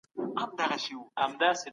انسان باید د نورو په مال تجاوز ونکړي.